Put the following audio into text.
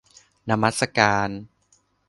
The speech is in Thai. นมัสการ